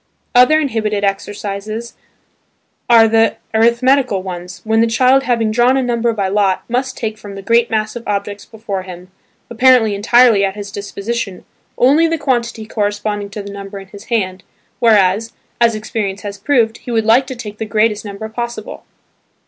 Other inhibitive exercises are the arithmetical ones, when the child having drawn a number by lot, must take from the great mass of objects before him, apparently entirely at his disposition, only the quantity corresponding to the number in his hand, whereas (as experience has proved) he would like to take the greatest number possible.